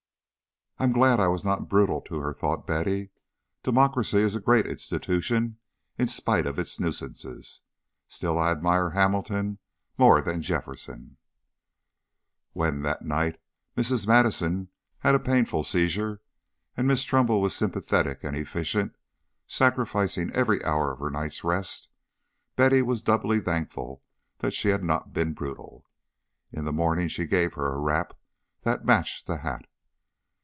"I am glad I was not brutal to her," thought Betty. "Democracy is a great institution in spite of its nuisances. Still, I admire Hamilton more than Jefferson." When, that night, Mrs. Madison had a painful seizure, and Miss Trumbull was sympathetic and efficient, sacrificing every hour of her night's rest, Betty was doubly thankful that she had not been brutal. In the morning she gave her a wrap that matched the hat.